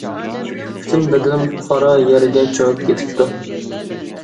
پۈتۈن بەدىنىم قارا يەرگە چۆمۈپ كېتىپتۇ.